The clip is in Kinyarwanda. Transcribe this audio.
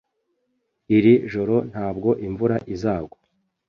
Iri joro ntabwo imvura izagwa.